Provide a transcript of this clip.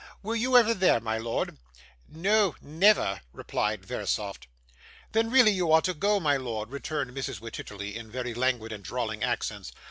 Were you ever there, my lord?' 'No, nayver,' replied Verisopht. 'Then really you ought to go, my lord,' returned Mrs. Wititterly, in very languid and drawling accents.